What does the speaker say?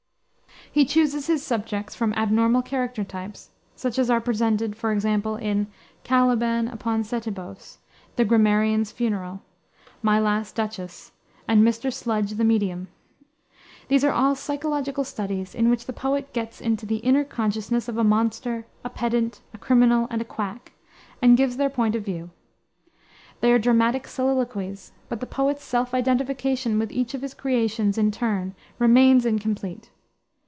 He chooses his subjects from abnormal character types, such as are presented, for example, in Caliban upon Setebos, the Grammarian's Funeral, My Last Duchess, and Mr. Sludge, the Medium. These are all psychological studies, in which the poet gets into the inner consciousness of a monster, a pedant, a criminal, and a quack, and gives their point of view. They are dramatic soliloquies; but the poet's self identification with each of his creations, in turn, remains incomplete.